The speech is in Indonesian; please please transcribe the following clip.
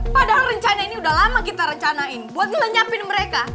padahal rencana ini udah lama kita rencanain buat ngelenyapin mereka